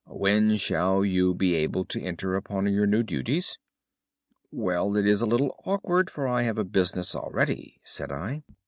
When shall you be able to enter upon your new duties?' "'Well, it is a little awkward, for I have a business already,' said I.